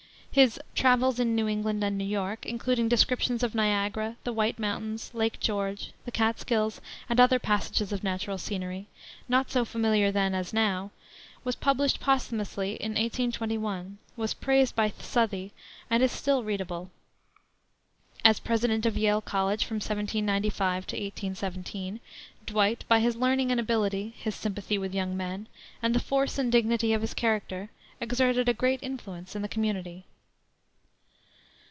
His Travels in New England and New York, including descriptions of Niagara, the White Mountains, Lake George, the Catskills, and other passages of natural scenery, not so familiar then as now, was published posthumously in 1821, was praised by Southey, and is still readable. As President of Yale College from 1795 to 1817, Dwight, by his learning and ability, his sympathy with young men, and the force and dignity of his character, exerted a great influence in the community.